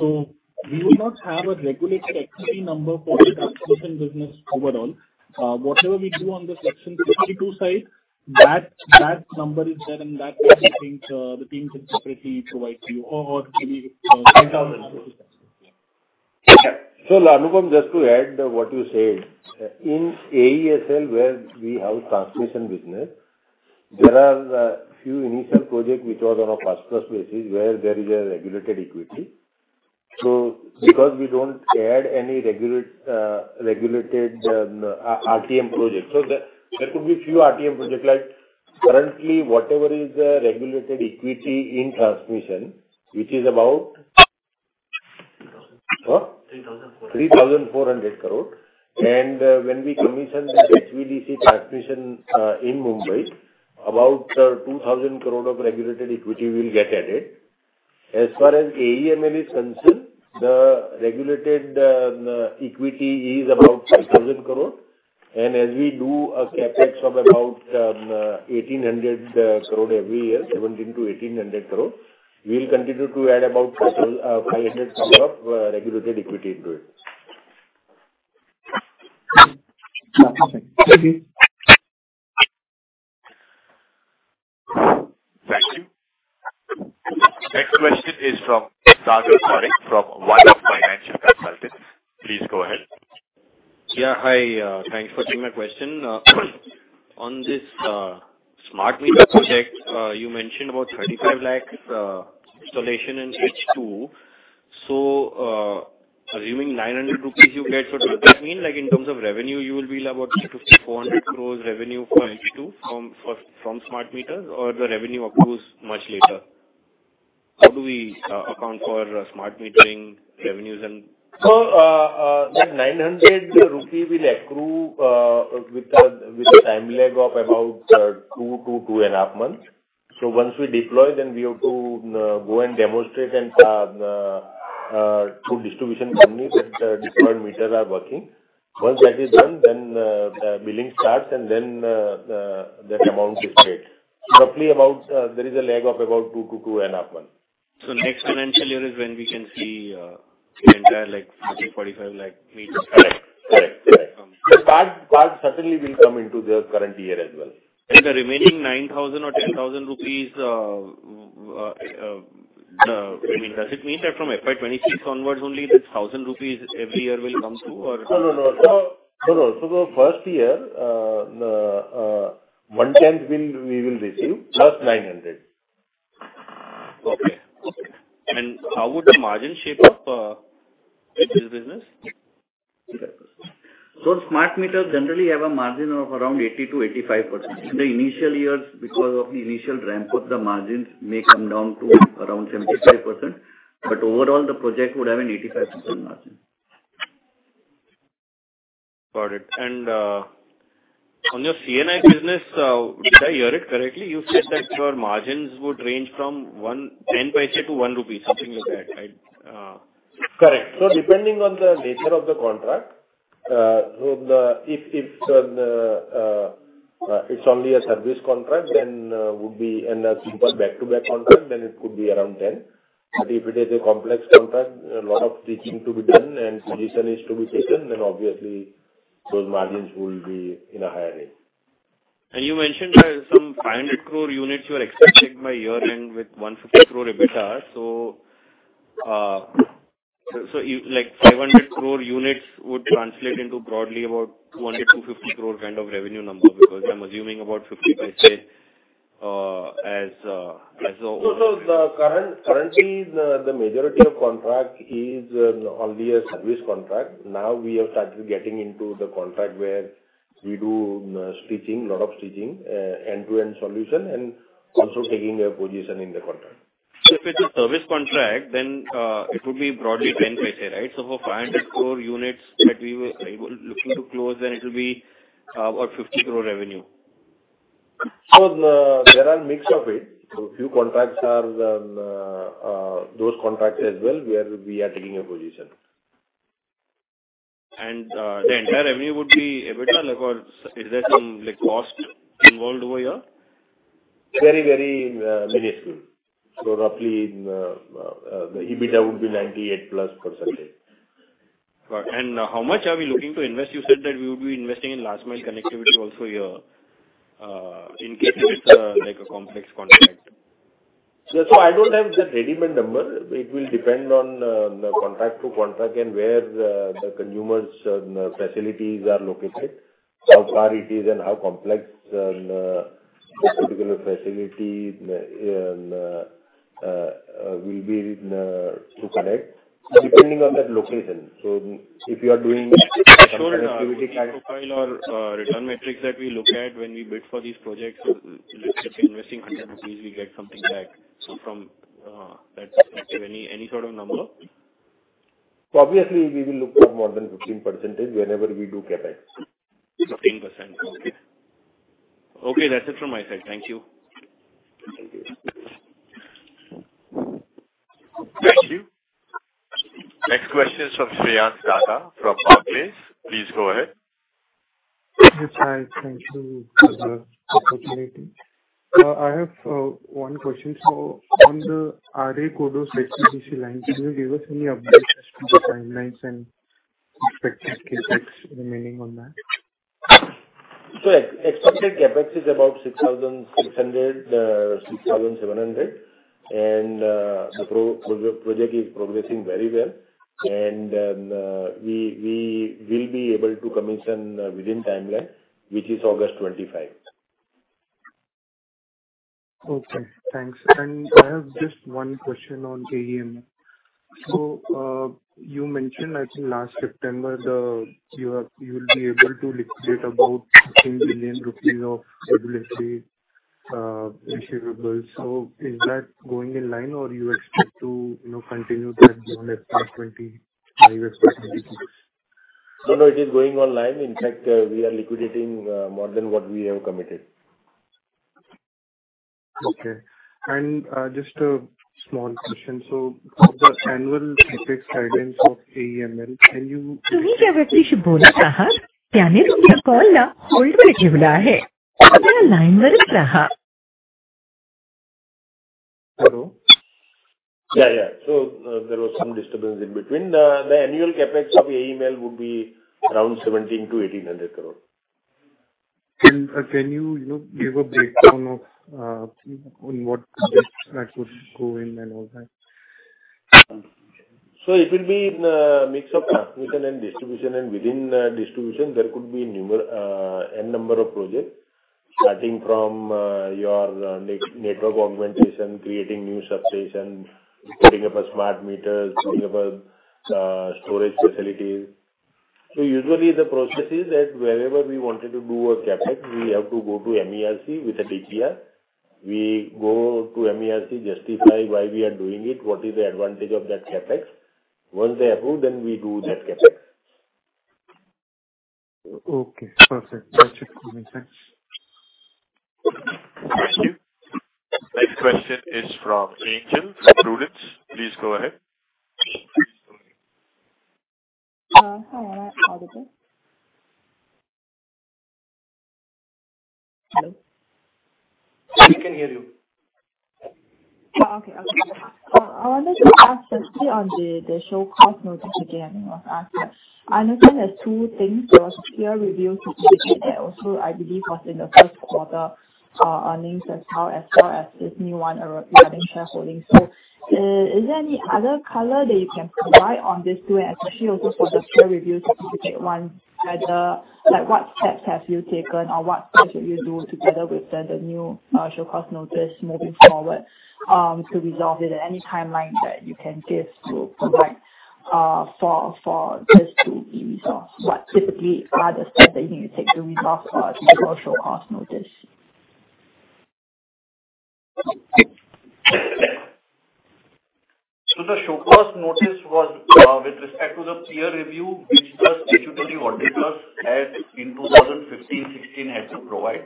So we will not have a regulated equity number for the transmission business overall. Whatever we do on the Section 62 side, that number is there, and that number I think the team can separately provide to you or we can tell them. So Anupam, just to add what you said, in AESL, where we have transmission business, there are few initial project which was on a fast track basis where there is a regulated equity. So because we don't add any regulated RTM project, so there could be few RTM project like currently whatever is regulated equity in transmission, which is about- [3,000]. Huh? [3,400]. INR 3,400 crore. When we commission this HVDC transmission in Mumbai, about 2,000 crore of regulated equity will get added. As far as AEML is concerned, the regulated equity is about 6,000 crore. As we do a CapEx of about 1,800 crore every year, 1,700-1,800 crore, we'll continue to add about 500 crore of regulated equity into it. Yeah, perfect. Thank you. Thank you. Next question is from Sagar Sareen, from Sunidhi Securities. Please go ahead. Yeah, hi, thanks for taking my question. On this smart meter project, you mentioned about 35 lakh installation in H2. So, assuming 900 rupees you get for it, does this mean like in terms of revenue, you will be about 300-400 crore revenue for H2 from smart meters, or the revenue accrues much later? How do we account for smart metering revenues and- That 900 rupee will accrue with a time lag of about two to two and a half months. Once we deploy, then we have to go and demonstrate to distribution company that the deployed meter are working. Once that is done, then billing starts, and then that amount is paid. Roughly about, there is a lag of about two to two and a half months. So next financial year is when we can see the entire, like, 40-45 lakh meters. Correct. The part certainly will come into the current year as well. The remaining 9,000 or 10,000 rupees, I mean, does it mean that from FY 2026 onwards, only this 1,000 rupees every year will come through or? No, no, no. No, no. So the first year, the one tenth, we will receive plus nine hundred. Okay. Okay. And how would the margin shape up with this business? Smart meters generally have a margin of around 80%-85%. In the initial years, because of the initial ramp-up, the margins may come down to around 75%, but overall, the project would have an 85% margin. Got it. And, on your C&I business, did I hear it correctly? You said that your margins would range from 0.10-1 rupee, something like that, right? Correct. Depending on the nature of the contract, if it's only a service contract, then it would be a simple back-to-back contract, then it could be around 10. But if it is a complex contract, a lot of teaching to be done and position is to be taken, then obviously those margins will be in a higher range. You mentioned some 500 crore units you are expecting by year-end with 100 crore EBITDA. You like 500 crore units would translate into broadly about 200-250 crore kind of revenue number, because I'm assuming about 0.50 as the- Currently the majority of contract is only a service contract. Now, we have started getting into the contract where we do stitching, a lot of stitching, end-to-end solution and also taking a position in the contract. So if it's a service contract, then it would be broadly 0.10, right? So for 500 crore units that we were able, looking to close, then it will be about 50 crore revenue. There are mix of it. Few contracts are those contracts as well, where we are taking a position. The entire revenue would be EBITDA, or is there some, like, cost involved over here? Very, very, minuscule. So roughly, the EBITDA would be 98% plus.... And, how much are we looking to invest? You said that we would be investing in last mile connectivity also here, in case if it's, like, a complex contract. So I don't have that readymade number. It will depend on the contract to contract and where the consumers facilities are located, how far it is, and how complex the particular facility will be to connect, depending on that location. So if you are doing- Profile or return metrics that we look at when we bid for these projects, so let's say investing 100 rupees, we get something back. So from that perspective, any sort of number? So obviously we will look for more than 15% whenever we do CapEx. 15%. Okay. Okay, that's it from my side. Thank you. Thank you. Thank you. Next question is from Shreyans Daga from Barclays. Please go ahead. Yes, hi. Thank you for the opportunity. I have one question. So on the Aarey-Kudus HVDC line, can you give us any updates as to the timelines and expected CapEx remaining on that? Expected CapEx is about 6,600-6,700. The project is progressing very well. We will be able to commission within timeline, which is August 2025. Okay, thanks. And I have just one question on AEML. So, you mentioned, I think last September, you'll be able to liquidate about 15 billion rupees of regulatory receivables. So is that going in line or you expect to, you know, continue that beyond FY 2025? No, no, it is going on line. In fact, we are liquidating more than what we have committed. Okay. And just a small question. So the annual CapEx guidance of AEML, can you- [foreign laguage] Hello? Yeah, yeah. So, there was some disturbance in between. The annual CapEx of AEML would be around 1,700 crore to 1,800 crore. Can you, you know, give a breakdown of, on what that would go in and all that? So it will be in a mix of transmission and distribution, and within distribution, there could be numerous number of projects, starting from your network augmentation, creating new substations, putting up smart meters, putting up storage facilities. Usually the process is that wherever we wanted to do a CapEx, we have to go to MERC with a DPR. We go to MERC, justify why we are doing it, what is the advantage of that CapEx. Once they approve, then we do that CapEx. Okay, perfect. That's it. Thanks. Thank you. Next question is from Angel, Reuters. Please go ahead. Hello, everybody. Hello? We can hear you. Oh, okay, okay. I wanted to ask, especially on the show-cause notice again. I want to ask that. I understand there's two things, your peer review certificate, and also, I believe was in the first quarter earnings as well as this new one regarding shareholding. So, is there any other color that you can provide on these two, and especially also for the peer review certificate one, whether, like, what steps have you taken or what steps will you do together with the new show-cause notice moving forward to resolve it? And any timeline that you can give to provide for this to be resolved? What typically are the steps that you need to take to resolve the show-cause notice? So the show-cause notice was, with respect to the peer review, which the statutory auditors, as in 2015, 2016, had to provide,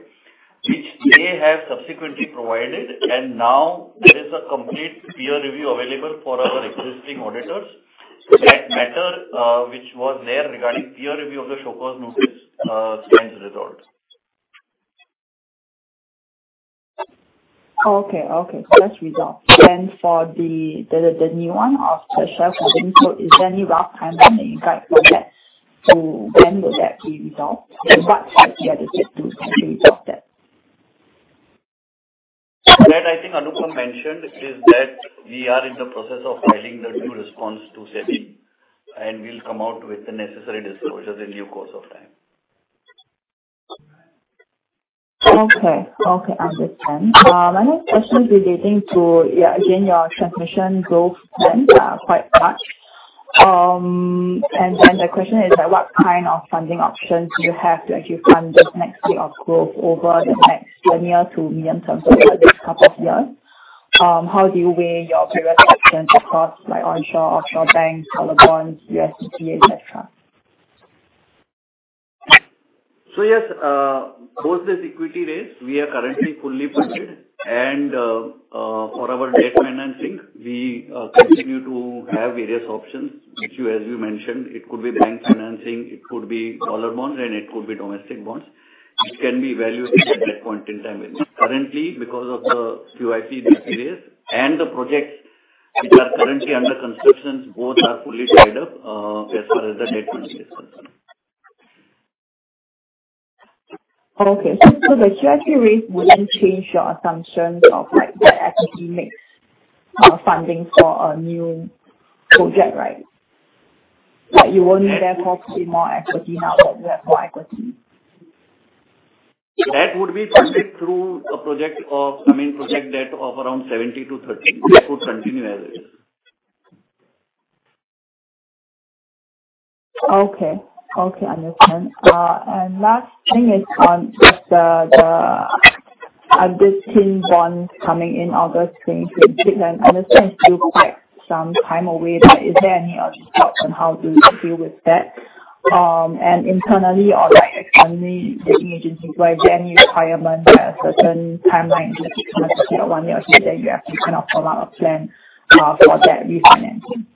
which they have subsequently provided. And now there is a complete peer review available for our existing auditors. That matter, which was there regarding peer review of the show-cause notice, stands resolved. Okay, okay. So that's resolved. And for the new one of the shareholding, so is there any rough timeline that you guide for that? To when will that be resolved, and what steps you have to take to resolve that? That, I think Anupam mentioned, is that we are in the process of filing the due response to SEBI, and we'll come out with the necessary disclosures in due course of time. Okay. Okay, I understand. My next question is relating to, yeah, again, your transmission growth plan, quite much, and then the question is that, what kind of funding options do you have to actually fund this next wave of growth over the next one year to medium term, so the next couple of years? How do you weigh your various options across, like, onshore, offshore, banks, dollar bonds, US PP, et cetera? So yes, post this equity raise, we are currently fully funded. And, for our debt financing, we continue to have various options, which you, as you mentioned, it could be bank financing-... I'm saying it could be dollar bonds and it could be domestic bonds. It can be evaluated at that point in time. Currently, because of the QIP and the projects which are currently under construction, both are fully tied up, as far as the debt fund is concerned. Okay. So the QIP rate wouldn't change your assumption of, like, the equity mix, funding for a new project, right? Like, you will need therefore put more equity now that you have more equity. That would be funded through a project of, I mean, project debt of around 70 to 30. That would continue as is. Okay. Okay, understand. And last thing is on the this 10-year bond coming in August 2026, and I understand it's still quite some time away, but is there any other thoughts on how to deal with that? And internally or, like, externally, the agencies, were there any requirement that a certain timeline, just six months or one year, that you have to kind of come out a plan, for that refinancing?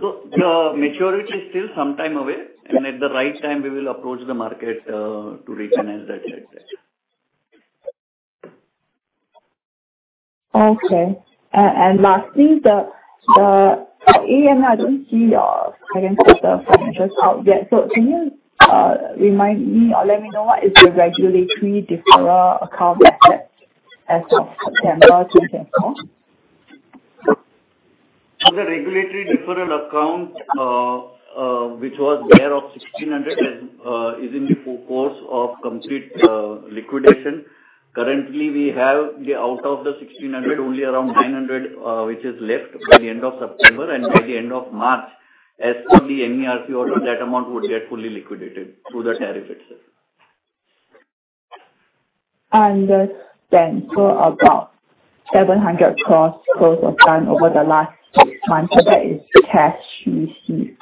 The maturity is still some time away, and at the right time, we will approach the market, to refinance that debt. Okay. And lastly, the AM, I don't see your items with the financials out yet. So can you remind me or let me know, what is the regulatory deferral account balance as of September [2024]? So the regulatory deferred account, which was there of 1,600, is in the course of complete liquidation. Currently, we have out of the 1,600 only around 900, which is left by the end of September. And by the end of March, as per the MERC order, that amount would get fully liquidated through the tariff itself. Understood. So about 700 cash flows were done over the last six months, so that is cash received.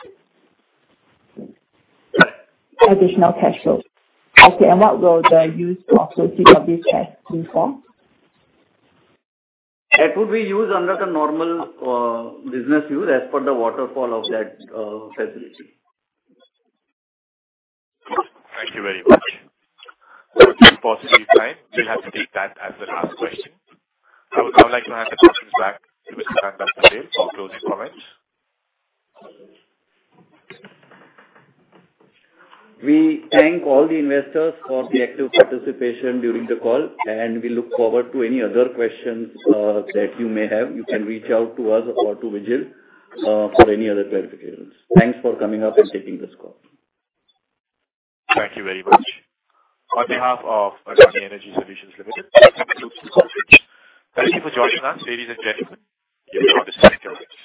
Additional cash flow. Okay, and what will the use of this cash be for? That would be used under the normal business use as per the waterfall of that facility. Thank you very much. Due to time, we'll have to take that as the last question. I would now like to hand the questions back to Mr. Kandarp Patel for closing comments. We thank all the investors for the active participation during the call, and we look forward to any other questions that you may have. You can reach out to us or to Vijil for any other clarifications. Thanks for coming up and taking this call. Thank you very much. On behalf of Adani Energy Solutions Limited, thank you for joining us, ladies and gentlemen. You may disconnect your lines.